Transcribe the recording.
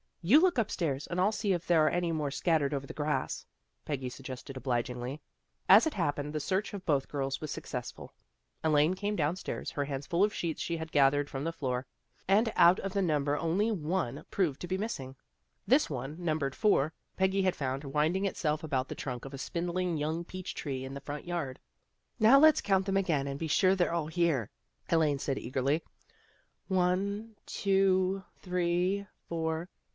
You look upstairs, and I'll see if there are any more scattered over the grass," Peggy suggested obligingly. As it happened, the search of both girls was successful. Elaine came downstairs, her hands full of sheets she had gathered from MAKING FRIENDS 47 the floor, and out of the number only one proved to be missing. This one, numbered four, Peggy had found winding itself about the trunk of a spindling young peach tree in the front yard. " Now let's count them again and be sure they're all here," Elaine said eagerly. " One, two, three, four."